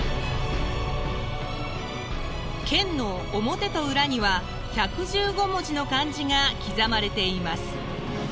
剣の表と裏には１１５文字の漢字が刻まれています。